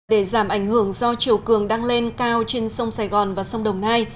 để giảm ảnh hưởng do chiều cường đang lên cao trên sông sài gòn và sông đồng nai